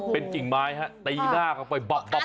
เป็นจิ่งไม้ฮะตีหน้ากลับไปบ๊อบ